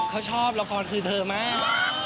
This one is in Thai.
เขาชอบละครคือเธอมาก